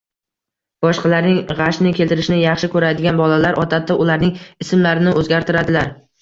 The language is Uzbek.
Boshqalarning g‘ashini keltirishni yaxshi ko‘radigan bolalar odatda ularning ismlarini o‘zgartiradilar